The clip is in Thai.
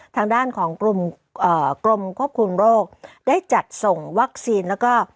ทางด้านของกรมควบคุมโรคได้จัดส่งวัคซีนแล้วก็